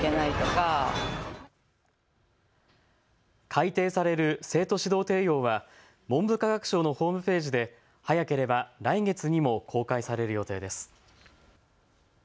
改訂される生徒指導提要は文部科学省のホームページで早ければ来月にも公開される予定です。